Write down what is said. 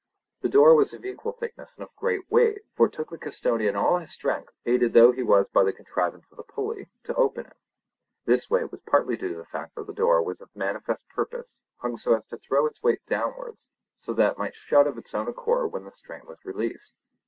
The door was of equal thickness and of great weight, for it took the custodian all his strength, aided though he was by the contrivance of the pulley, to open it. This weight was partly due to the fact that the door was of manifest purpose hung so as to throw its weight downwards, so that it might shut of its own accord when the strain was released.